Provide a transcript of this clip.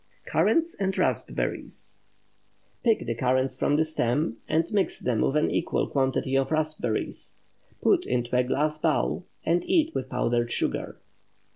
CURRANTS AND RASPBERRIES. Pick the currants from the stems, and mix with an equal quantity of raspberries. Put into a glass bowl, and eat with powdered sugar.